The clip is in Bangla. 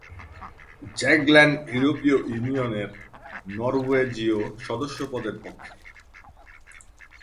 জাগল্যান্ড ইউরোপীয় ইউনিয়নের নরওয়েজীয় সদস্যপদের পক্ষে।